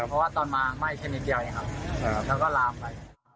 ตัวเพราะตอนมาทำไม่แค่นี้เดียวครับแล้วก็รามไป